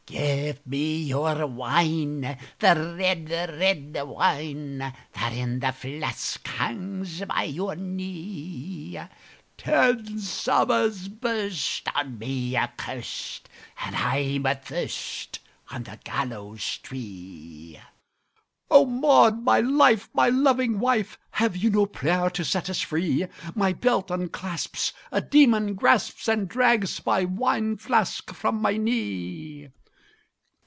"Give me your wine, the red, red wine, That in the flask hangs by your knee! Ten summers burst on me accurst, And I'm athirst on the gallows tree." "O Maud, my life! my loving wife! Have you no prayer to set us free? My belt unclasps, a demon grasps And drags my wine flask from my knee!"